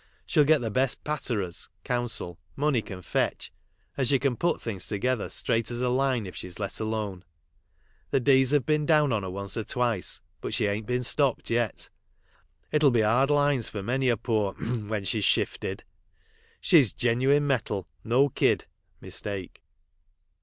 She'll get the best patterers (counsel) money can fetch, and she can put things together straight as a line if she's let alone. The d s have been down on her once or twice, but she am t been stopped yet. It'll be hard lines for many a P 0 ^— when she ' s lifted. She's genuine metal, no kid (mistake)."